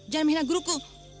jangan menghina guruku